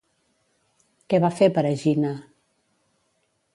Què va fer per Egina?